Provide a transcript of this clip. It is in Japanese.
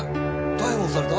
逮捕された？